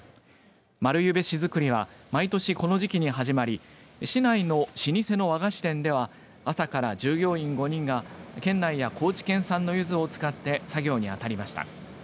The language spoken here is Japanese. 丸柚餅子作りは毎年この時期に始まり市内の老舗の和菓子店では朝から従業員５人が県内や高知県産のゆずを使って作業に当たりました。